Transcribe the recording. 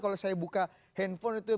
kalau saya buka handphone itu